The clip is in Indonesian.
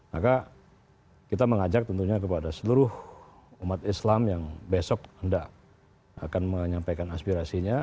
maka kita mengajak tentunya kepada seluruh umat islam yang besok hendak akan menyampaikan aspirasinya